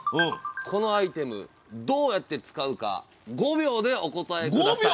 このアイテムどうやって使うか５秒でお答え下さい！